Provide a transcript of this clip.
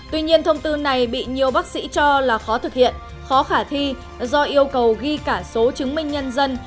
tuy nhiên thông tư này bị nhiều bác sĩ cho là khó thực hiện khó khả thi do yêu cầu ghi cả số chứng minh nhân dân